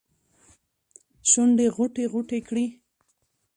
شونډې غوټې ، غوټې کړي